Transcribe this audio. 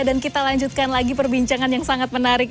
dan kita lanjutkan lagi perbincangan yang sangat menarik